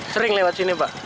sering lewat sini pak